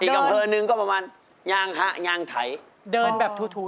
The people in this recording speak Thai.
อีกกำเภอหนึ่งก็ประมาณยางหะยางไถเดินแบบทูไถ